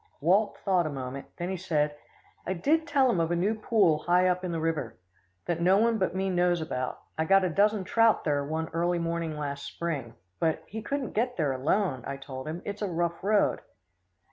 Walt thought a moment; then he said, "I did tell him of a new pool high up in the river, that no one but me knows about. I got a dozen trout there one early morning last spring; but he couldn't get there alone, I told him. It's a rough road."